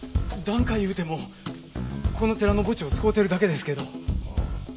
檀家いうてもこの寺の墓地を使うてるだけですけど。